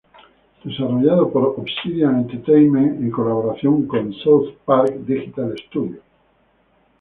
Desarrollado por Obsidian Entertainment, en colaboración con South Park Digital Studios.